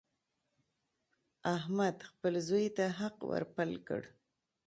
احمد خپل زوی ته حق ور پل کړ.